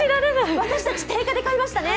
私たち、定価で買いましたね。